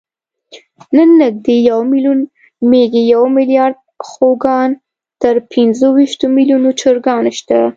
نن نږدې یو میلیون مېږې، یو میلیارد خوګان، تر پینځهویشتو میلیونو چرګان شته.